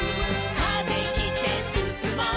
「風切ってすすもう」